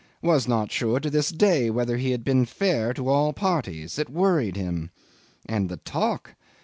Was not sure to this day whether he had been fair to all parties. It worried him. And the talk!